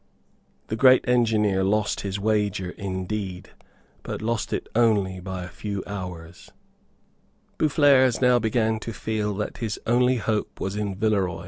The great engineer lost his wager indeed, but lost it only by a few hours. Boufflers now began to feel that his only hope was in Villeroy.